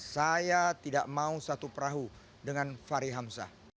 saya tidak mau satu perahu dengan fahri hamzah